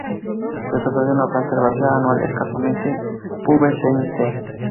Se trata de una planta herbácea, anual escasamente pubescente.